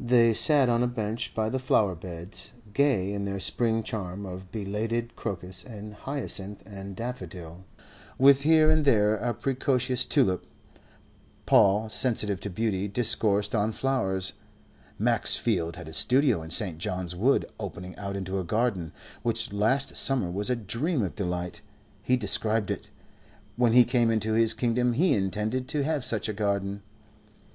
They sat on a bench by the flower beds, gay in their spring charm of belated crocus and hyacinth and daffodil, with here and there a precocious tulip. Paul, sensitive to beauty, discoursed on flowers. Max Field had a studio in St. John's Wood opening out into a garden, which last summer was a dream of delight. He described it. When he came into his kingdom he intended to have such a garden.